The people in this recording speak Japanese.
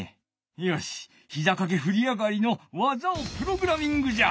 よしひざかけふりあがりの技をプログラミングじゃ！